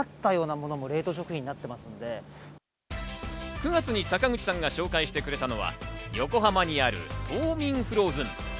９月に坂口さんが紹介してくれたのは横浜にあるトーミン・フローズン。